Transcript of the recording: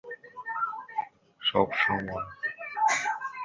বিভিন্ন ধরনের মাংস সবসময় কিরগিজ খাবারের অপরিহার্য অংশ হয়ে উঠেছে।